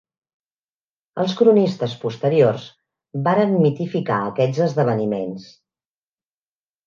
Els cronistes posteriors varen mitificar aquests esdeveniments.